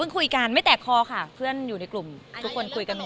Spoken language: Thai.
คุยกันไม่แตกคอค่ะเพื่อนอยู่ในกลุ่มทุกคนคุยกันหมด